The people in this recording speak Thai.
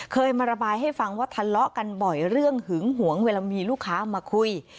เคยมาระบายให้ฟังว่าทะเลาะกันบ่อยเรื่องหึงหวงเวลามีลูกค้ามาคุย